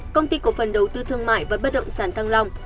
công ty cổ phần đầu tư thương mại và bất động sản thăng long